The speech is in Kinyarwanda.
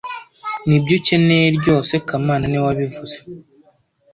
Nibyo ukeneye ryose kamana niwe wabivuze